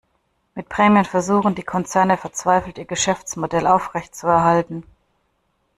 Mit Prämien versuchen die Konzerne verzweifelt, ihr Geschäftsmodell aufrechtzuerhalten.